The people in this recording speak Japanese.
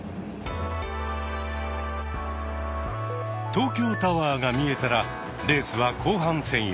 東京タワーが見えたらレースは後半戦へ。